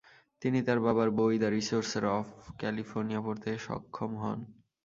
তিনি তার বাবার বই, দ্য রিসোর্সেস অফ ক্যালিফোর্নিয়া পড়তে সক্ষম হন।